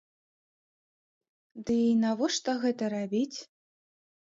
Ды, і навошта гэта рабіць?